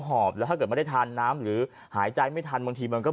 หอบแล้วถ้าเกิดไม่ได้ทานน้ำหรือหายใจไม่ทันบางทีมันก็